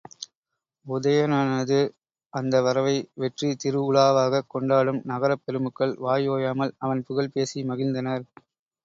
உதயணனது அந்த வரவை வெற்றித் திருஉலாவாகக் கொண்டாடும் நகரப் பெருமக்கள் வாய் ஓயாமல் அவன் புகழ் பேசி மகிழ்ந்தனர்.